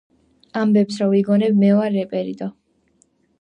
ამბებს რო ვიგონებ მე ვარ რეპერიტო